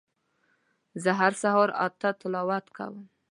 زه هر سهار اته تلاوت کوم